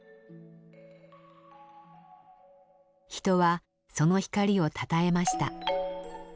人はその光をたたえました。